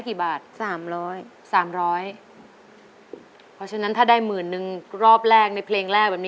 ความรักเจ้าด้วยลำดาบ